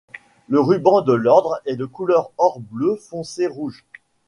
Le ruban de l’ordre est de couleur or-bleu foncé-rouge.